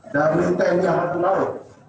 dan lintai nyahar pulau